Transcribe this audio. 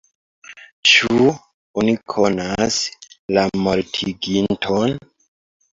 Ĉu oni konas la mortiginton?